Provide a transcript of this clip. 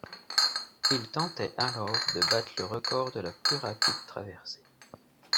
Il tentait alors de battre le record de la plus rapide traversée.